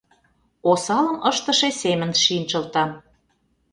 Осалым ыштыше семын шинчылтам